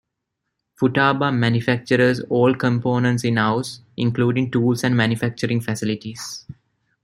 Futaba manufactures all components in-house, including tools and manufacturing facilities.